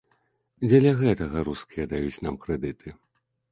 Дзеля гэтага рускія даюць нам крэдыты.